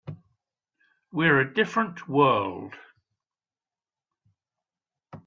We're a different world.